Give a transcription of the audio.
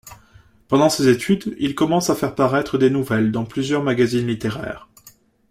Pendant ses études, il commence à faire paraître des nouvelles dans plusieurs magazines littéraires.